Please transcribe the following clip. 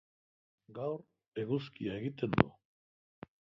Gaur eguzkia egiten du.